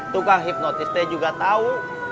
tuh kan hipnotisnya juga tau